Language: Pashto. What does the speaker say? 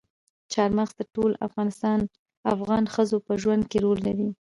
چار مغز د ټولو افغان ښځو په ژوند کې رول لري.